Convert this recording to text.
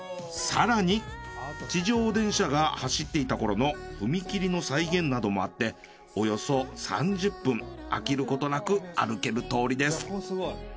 更に地上電車が走っていたころの踏切の再現などもあっておよそ３０分飽きることなく歩ける通りです。